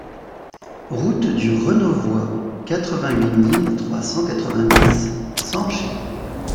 Route de Renauvoid, quatre-vingt-huit mille trois cent quatre-vingt-dix Sanchey